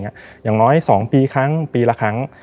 อย่างน้อย๒ปีครั้งปีละครั้ง